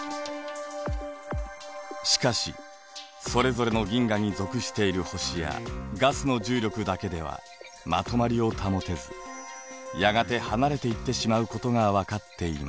しかしそれぞれの銀河に属している星やガスの重力だけではまとまりを保てずやがて離れていってしまうことが分かっています。